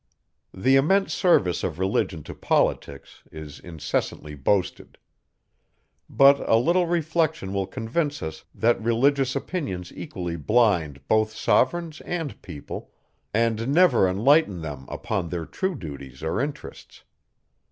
The immense service of religion to politics is incessantly boasted; but, a little reflection will convince us, that religious opinions equally blind both sovereigns and people, and never enlighten them upon their true duties or interests.